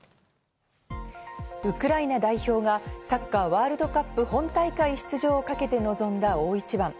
ウクライナ代表がサッカーワールドカップ本大会出場をかけてのぞんだ大一番。